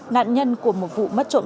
nạn nhân của một vụ mất trộm